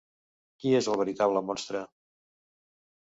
Qui és el veritable monstre?